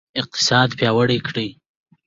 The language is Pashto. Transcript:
اقتصاد پیاوړی کړئ